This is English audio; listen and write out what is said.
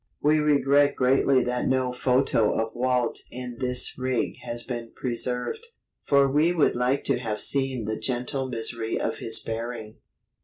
We regret greatly that no photo of Walt in this rig has been preserved, for we would like to have seen the gentle misery of his bearing.